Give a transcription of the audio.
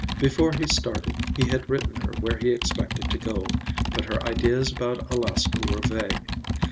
Before he started he had written her where he expected to go, but her ideas about Alaska were vague.